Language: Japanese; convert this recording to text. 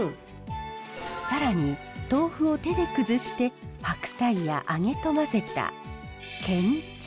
更に豆腐を手で崩して白菜や揚げと混ぜたけんちゃ。